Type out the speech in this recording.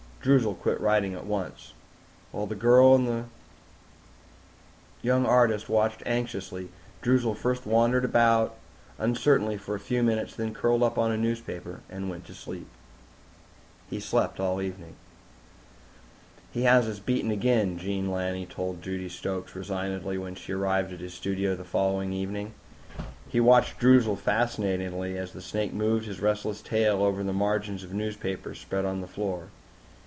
Droozle quit writing at once. While the girl and the young artist watched anxiously, Droozle first wandered about uncertainly for a few minutes and then curled up on a newspaper and went to sleep. He slept all evening. "He has beaten us again," Jean Lanni told Judy Stokes resignedly when she arrived at his studio the following evening. He watched Droozle fascinatedly as the snake moved his restless tail over the margins of newspapers spread on the floor.